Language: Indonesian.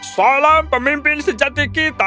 salam pemimpin sejati kita